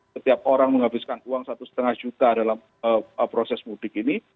setiap orang menghabiskan uang satu lima juta dalam proses mudik ini